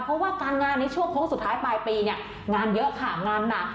เพราะว่าการงานในช่วงโค้งสุดท้ายปลายปีเนี่ยงานเยอะค่ะงานหนัก